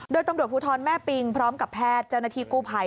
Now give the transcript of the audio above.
โดยตำรวจภูทรแม่ปิงพร้อมกับแพทย์เจ้าหน้าที่กู้ภัย